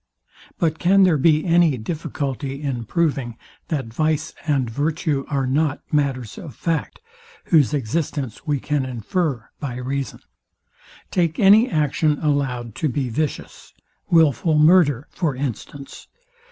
But can there be any difficulty in proving, that vice and virtue are not matters of fact, whose existence we can infer by reason? Take any action allowed to be vicious: Wilful murder, for instance.